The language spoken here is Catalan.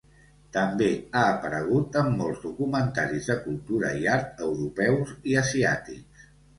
També ha aparegut en molts documentaris de cultura i art europeus i asiàtics.